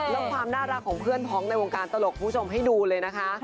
แล้วความน่ารักของเพื่อนพ้องในวงการตลกคุณผู้ชมให้ดูเลยนะคะ